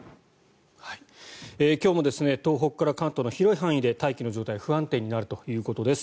今日も東北から関東の広い範囲で大気の状態が不安定になるということです。